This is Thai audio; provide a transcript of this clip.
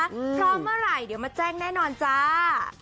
พร้อมเมื่อไหร่เดี๋ยวมาแจ้งแน่นอนจ้า